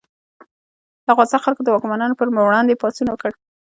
د افغانستان خلکو د واکمنانو پر وړاندې پاڅون وکړ.